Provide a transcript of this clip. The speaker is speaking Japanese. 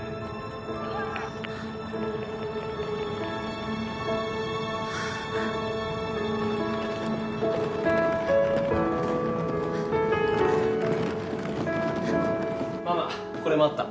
ドアがママこれもあった